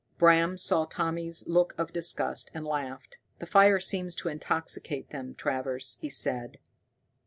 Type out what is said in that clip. Bram saw Tommy's look of disgust, and laughed. "The fire seems to intoxicate them, Travers," he said.